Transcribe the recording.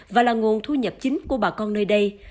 và là nguồn thu nhập chính của bà con nơi đây